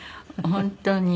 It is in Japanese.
本当にね。